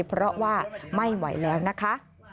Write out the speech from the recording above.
เพราะว่าไม่ไหวแล้วนะคะ